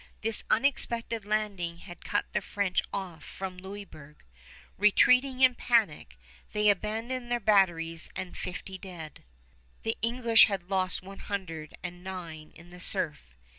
This unexpected landing had cut the French off from Louisburg. Retreating in panic, they abandoned their batteries and fifty dead. The English had lost one hundred and nine in the surf.